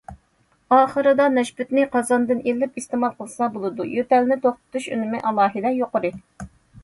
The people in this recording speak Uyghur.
ئاخىرىدا نەشپۈتنى قازاندىن ئېلىپ ئىستېمال قىلسا بولىدۇ، يۆتەلنى توختىتىش ئۈنۈمى ئالاھىدە يۇقىرى.